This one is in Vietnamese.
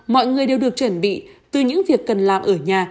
mọi người đều được chuẩn bị từ những việc cần làm ở nhà